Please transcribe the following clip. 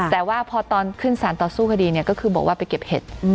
แต่ว่าพอตอนขึ้นสารต่อสู้คดีเนี่ยก็คือบอกว่าไปเก็บเห็ด